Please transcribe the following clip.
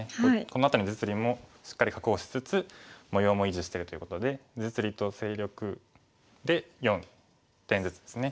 この辺りの実利もしっかり確保しつつ模様も維持してるということで実利と勢力で４点ずつですね。